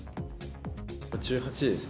１８です。